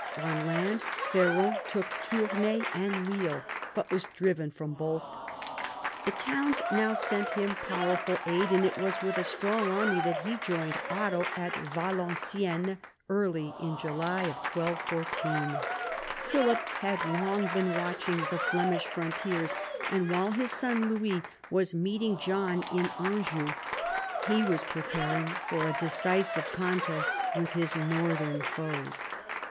On land Ferrand took Tournai and Lille, but was driven from both. The towns now sent him powerful aid, and it was with a strong army that he joined Otto at Valenciennes early in July 1214. Philip had been long watching the Flemish frontiers, and while his son Louis was meeting John in Anjou, he was preparing for a decisive contest with his northern foes.